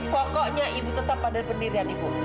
pokoknya ibu tetap pada pendirian ibu